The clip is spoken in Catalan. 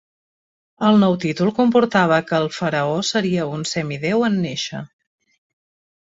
El nou títol comportava que el faraó seria un semidéu en néixer.